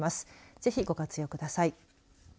ぜひ、ご活用ください。